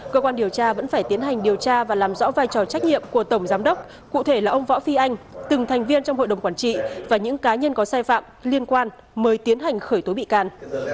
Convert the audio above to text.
cơ quan điều tra vẫn phải tiến hành điều tra và làm rõ vai trò trách nhiệm của tổng giám đốc cụ thể là ông võ phi anh từng thành viên trong hội đồng quản trị và những cá nhân có sai phạm liên quan mới tiến hành khởi tố bị can